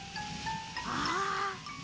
ああ。